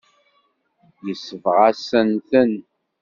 Yesbeɣ-asen-ten.